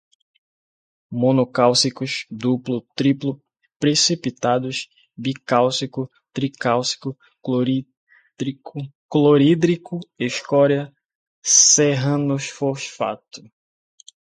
monocálcicos, duplo, triplo, precipitados, bicálcico, tricálcico, clorídrico, escória, serranofosfato